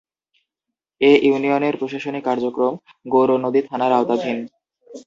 এ ইউনিয়নের প্রশাসনিক কার্যক্রম গৌরনদী থানার আওতাধীন।